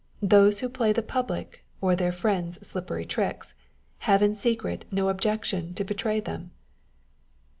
Those who play the public or their friends slippery tricks, have in secret no objection to betray them.